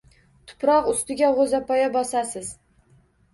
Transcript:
Tuproq ustiga gʻoʻzapoya bosasiz.